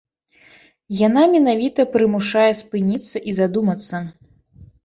Яна менавіта прымушае спыніцца і задумацца.